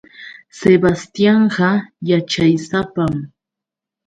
Sebastianqa yaćhaysapam.